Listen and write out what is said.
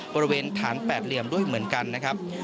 บริเวณฐานแปดเหลี่ยมด้วยเหมือนกันนะครับ